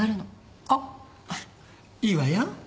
あっいいわよ。